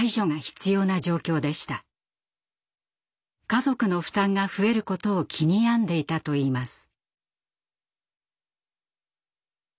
家族の負担が増えることを気に病んでいたといいます。